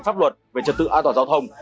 pháp luật về trật tự an toàn giao thông